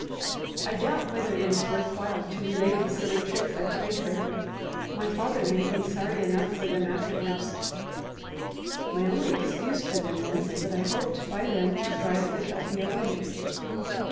I doubt whether it is worth while to relate the silly tricks I played her my father made me sorry enough for them afterwards. My only excuse for them is, that I hoped by them to drive the Kelpie away.